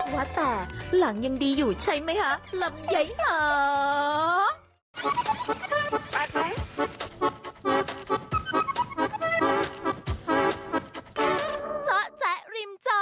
ว่าแต่หลังยังดีอยู่ใช่ไหมคะลำไยหา